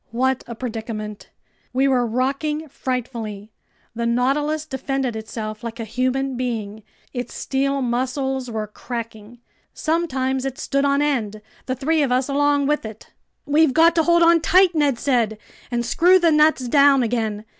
What a predicament! We were rocking frightfully. The Nautilus defended itself like a human being. Its steel muscles were cracking. Sometimes it stood on end, the three of us along with it! "We've got to hold on tight," Ned said, "and screw the nuts down again!